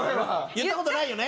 言った事ないよね？